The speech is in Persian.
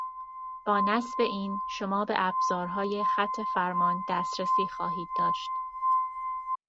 با نصب این، شما به ابزارهای خطفرمان دسترسی خواهید داشت.